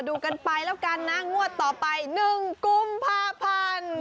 ดูกันไปแล้วกันนะงวดต่อไป๑กุมภาพันธ์